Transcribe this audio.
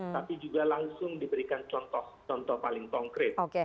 tapi juga langsung diberikan contoh contoh paling konkret